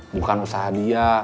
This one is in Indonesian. bukan usaha dia